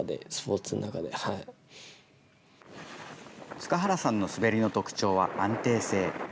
塚原さんの滑りの特徴は安定性。